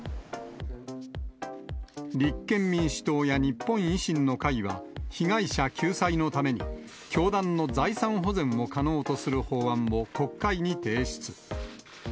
立憲民主党や日本維新の会は、被害者救済のために、教団の財産保全を可能とする法案を国会に提出。